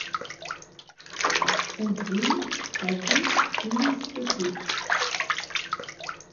Удзень хадзіў у інстытут.